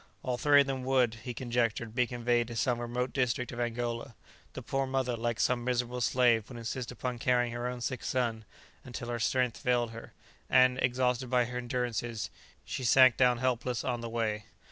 All three of them would, he conjectured, be conveyed to some remote district of Angola; the poor mother, like some miserable slave, would insist upon carrying her own sick son until her strength failed her, and, exhausted by her endurances, she sank down helpless on the way.